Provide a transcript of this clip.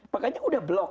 makanya udah blok